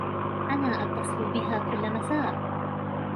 أنا أتصِل بها كُل مساء.